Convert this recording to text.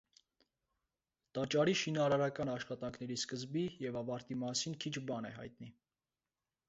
Տաճարի շինարարական աշխատանքների սկզբի և ավարտի մասին քիչ բան է հայտնի։